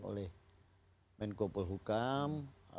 oleh menko polhukam